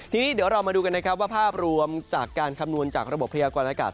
ทีนี้เดี๋ยวเรามาดูกันนะครับว่าภาพรวมจากการคำนวณจากระบบพยากรณากาศ